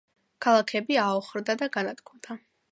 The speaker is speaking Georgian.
ქალაქები აოხრდა და განადგურდა.